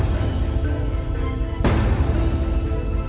ให้กลับทำที่รองทัก